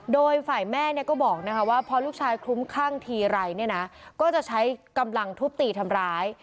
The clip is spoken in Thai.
โดยฝ่ายแม่เนี่ยก็บอกว่าพอลูกชายคลุ้มคลั่งทีไรเนี่ยนะก็จะใช้กำลังทุบตีทำร้าย